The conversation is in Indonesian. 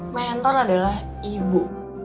mentor adalah ibu